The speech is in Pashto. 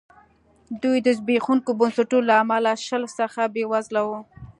دوی د زبېښونکو بنسټونو له امله له شل څخه بېوزله وو.